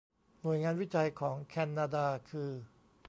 หน่วยงานวิจัยของแคนนาดาคือ